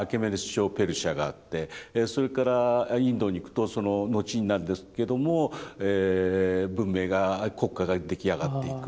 朝ペルシャがあってそれからインドに行くとその後になるんですけども文明が国家が出来上がっていく。